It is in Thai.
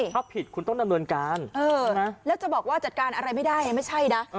ถ้าผิดคุณต้องดำเนินการแล้วจะบอกว่าจัดการอะไรไม่ได้ไม่ใช่นะ